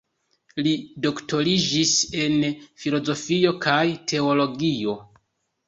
Li doktoriĝis el filozofio kaj teologio.